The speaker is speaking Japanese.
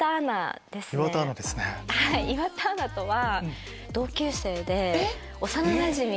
岩田アナとは。